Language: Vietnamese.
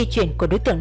một mươi cây không